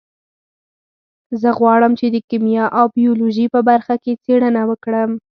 زه غواړم چې د کیمیا او بیولوژي په برخه کې څیړنه وکړم